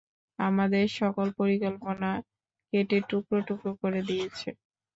আমাদের সকল পরিকল্পনা কেটে টুকরো টুকরো করে দিয়েছে।